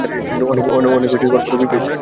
অনেক পদবি পেয়েছে।